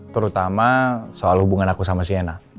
terutama soal hubungan aku sama sienna